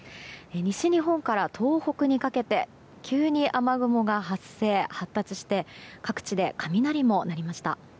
西日本から東北にかけて急に雨雲が発生発達して各地で雷も鳴りました。